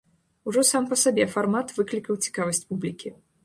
Ужо сам па сабе фармат выклікаў цікавасць публікі.